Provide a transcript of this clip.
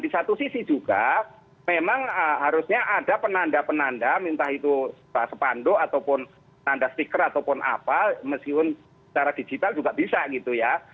di satu sisi juga memang harusnya ada penanda penanda entah itu sepanduk ataupun tanda stiker ataupun apa meskipun secara digital juga bisa gitu ya